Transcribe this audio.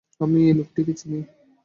আমি এই লোকটিকে চিনি।